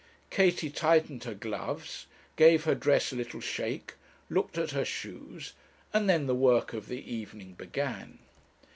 Katie tightened her gloves, gave her dress a little shake, looked at her shoes, and then the work of the evening began.